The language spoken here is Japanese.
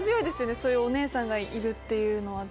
そういうお姉さんがいるのは。